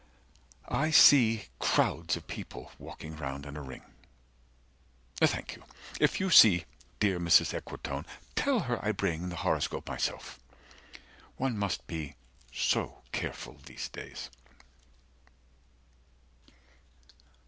55 I see crowds of people, walking round in a ring. Thank you. If you see dear Mrs. Equitone, Tell her I bring the horoscope myself: One must be so careful these days.